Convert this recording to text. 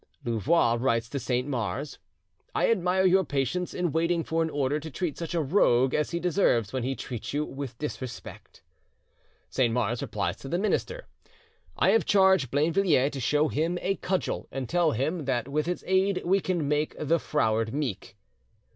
Louvois writes to Saint Mars: "I admire your patience in waiting for an order to treat such a rogue as he deserves, when he treats you with disrespect." Saint Mars replies to the minister: "I have charged Blainvilliers to show him a cudgel and tell him that with its aid we can make the froward meek."